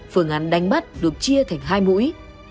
phương án đánh bắt được chia thành hai mũi